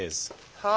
はい。